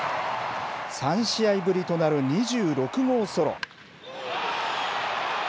３試合ぶりとなる２６号ソロ。